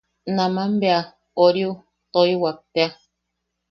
Naman bea... oriu... toiwak tea.